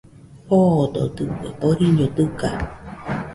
Foododɨkue, boriño dɨga